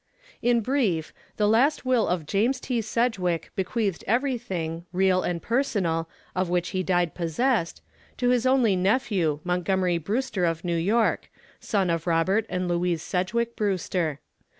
In brief, the last will of James T. Sedgwick bequeathed everything, real and personal, of which he died possessed, to his only nephew, Montgomery Brewster of New York, son of Robert and Louise Sedgwick Brewster.